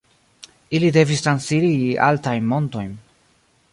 Ili devis transiri altajn montojn.